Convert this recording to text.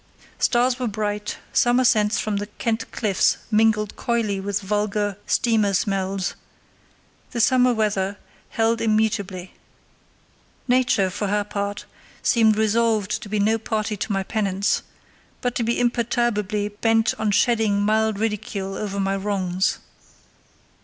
Stars were bright, summer scents from the Kent cliffs mingled coyly with vulgar steamer smells; the summer weather held immutably. Nature, for her part, seemed resolved to be no party to my penance, but to be imperturbably bent on shedding mild ridicule over my wrongs.